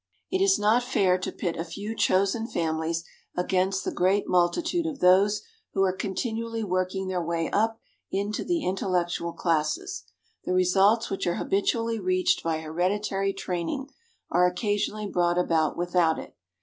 It is not fair to pit a few chosen families against the great multitude of those who are continually working their way up into the intellectual classes. The results which are habitually reached by hereditary training are occasionally brought about without it.